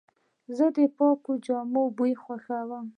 زه د پاکو جامو بوی خوښوم.